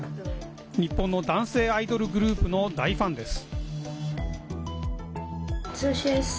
日本の男性アイドルグループの大ファンです。